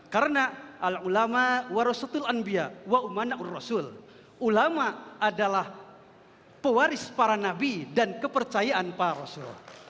karena ulama adalah pewaris para nabi dan kepercayaan para rasul